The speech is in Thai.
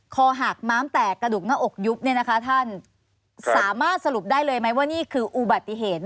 คอหักม้ามแตกกระดูกหน้าอกยุบท่านสามารถสรุปได้เลยไหมว่านี่คืออุบัติเหตุ